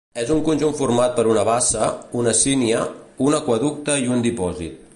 És un conjunt format per una bassa, una sínia, un aqüeducte i un dipòsit.